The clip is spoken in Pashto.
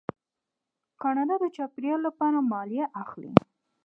کاناډا د چاپیریال لپاره مالیه اخلي.